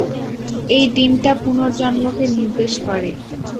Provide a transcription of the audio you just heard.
এই ডিমটা পুনর্জন্মকে নির্দেশ করে!